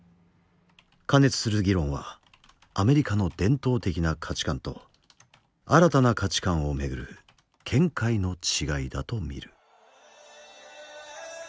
過熱する議論はアメリカの伝統的な価値観と新たな価値観を巡る見解の違いだと見る。